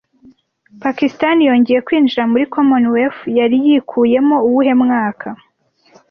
Pakisitani yongeye kwinjira muri Commonwealth, yariyikuyemo uwuhe mwaka